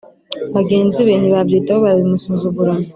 bagenzi be ntibabyitaho barabimusuzugurana.